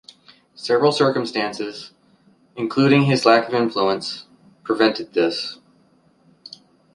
Several circumstances, including his lack of influence, prevented this.